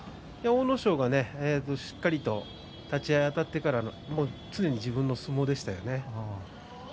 阿武咲がしっかり立ち合いあたってから常に自分の相撲でしたね。